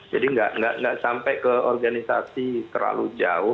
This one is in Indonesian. jadi nggak sampai ke organisasi terlalu jauh